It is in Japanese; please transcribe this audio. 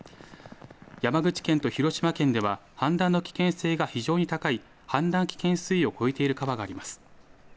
山口県と広島県では氾濫の危険性が非常に高い氾濫危険水位を超えている川があります。